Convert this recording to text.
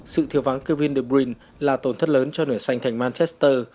sự thiêu vắng kevin de bruyne là tổn thất lớn cho nửa xanh thành manchester